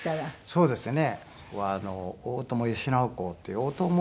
そうですね。